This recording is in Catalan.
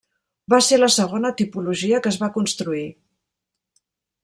Va ser la segona tipologia que es va construir.